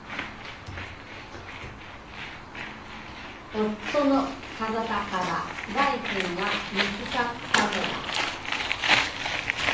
夫の体かららい菌が見つかったのだ。